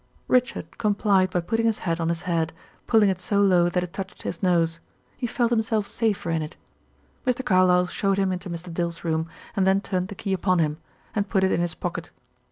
Richard complied by putting his hat on his head, pulling it so low that it touched his nose. He felt himself safer in it. Mr. Carlyle showed him into Mr. Dill's room, and then turned the key upon him, and put it in his pocket.